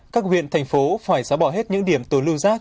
các huyện thành phố phải giá bỏ hết những điểm tồn lưu rác